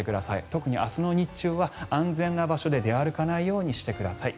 特に明日の日中は安全な場所で出歩かないようにしてください。